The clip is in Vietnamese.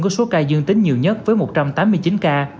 có số ca dương tính nhiều nhất với một trăm tám mươi chín ca